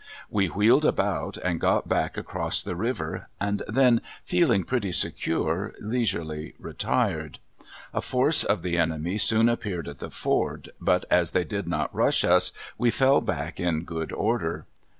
We wheeled about and got back across the river, and then feeling pretty secure leisurely retired. A force of the enemy soon appeared at the ford, but as they did not rush us we fell back in good order.